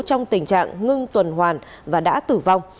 trong tình trạng ngưng tuần hoàn và đã tử vong